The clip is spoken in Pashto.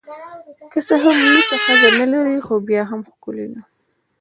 که څه هم لوڅه ښځه نلري خو بیا هم ښکلې ده